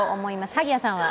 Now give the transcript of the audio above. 萩谷さんは？